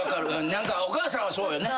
何かお母さんはそうよね。